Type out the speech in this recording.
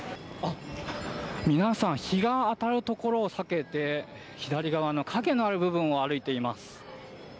皆さん日が当たる所を避けて左側の陰のある部分を歩いています。